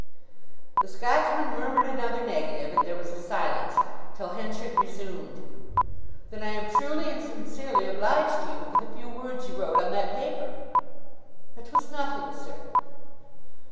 The Scotchman murmured another negative, and there was a silence, till Henchard resumed: "Then I am truly and sincerely obliged to you for the few words you wrote on that paper." "It was nothing, sir."